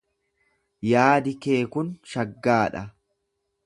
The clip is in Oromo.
Yaadi kee kun shaggaa dha